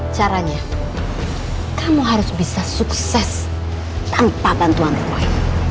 caranya kamu harus bisa sukses tanpa bantuan roy